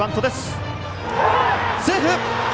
セーフ！